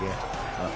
あっ。